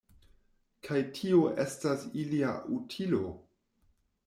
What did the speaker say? Kaj tio estas ilia utilo?